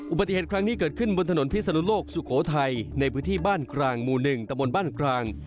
อุบัติเหตุครั้งนี้เกิดขึ้นบนถนนพิศนุโลกสุโขทัยในพื้นที่บ้านกลางหมู่๑ตะบนบ้านกลาง